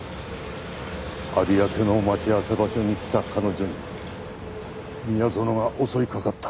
有明の待ち合わせ場所に来た彼女に宮園が襲いかかった。